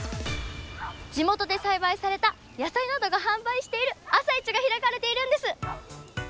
地元で栽培された野菜などが販売している朝市が開かれているんです。